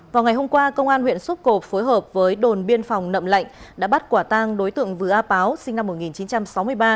vào ngày hôm qua công an huyện xúc cộp phối hợp với đồn biên phòng nậm lạnh đã bắt quả tang đối tượng vừa a páo sinh năm một nghìn chín trăm sáu mươi ba